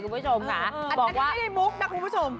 บอกรถนี่ปกจีน